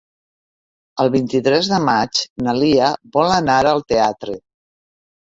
El vint-i-tres de maig na Lia vol anar al teatre.